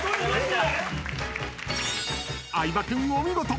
［相葉君お見事！